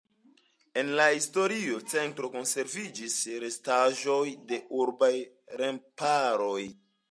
En la historia centro konserviĝis restaĵoj de urbaj remparoj.